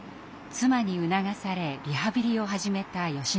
妻に促されリハビリを始めたよしのり先生。